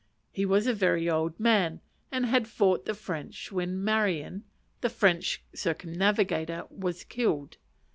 He was a very old man, and had fought the French when Marion, the French circumnavigator, was killed.